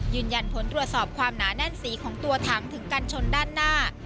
ยืนยันผลตรวจสอบความหนาแน่นสีของตัวถังถึงกันชนด้านหน้า